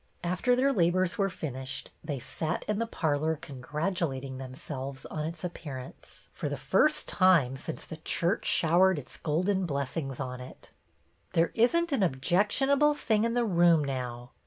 After their labors were finished, they sat in the parlor congratulat ing themselves on its appearance, for the 196 BETTY BAIRD first time since the church showered its golden blessings on it. " There is n't an objectionable thing in the room now.